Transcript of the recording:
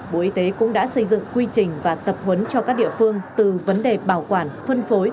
bộ y tế cũng đã xây dựng quy trình và tập huấn cho các địa phương từ vấn đề bảo quản phân phối